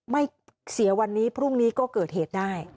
ไม่เสียวันนี้พรุ่งนี้ก็เกิดเหตุได้